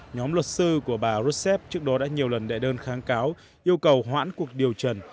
nhóm luật sư của bà rốt xếp trước đó đã nhiều lần đệ đơn kháng cáo yêu cầu hoãn cuộc điều trần